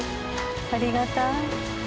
ありがたい。